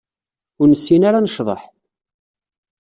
Ur nessin ara ad necḍeḥ.